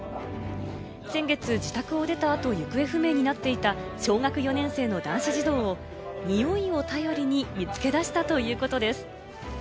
先月自宅を出たあと行方不明になっていた小学４年生の男子児童をにおいを頼りに見つけ出したということです。